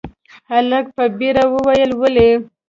هلک په بيړه وويل، ولې؟